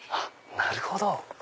なるほど！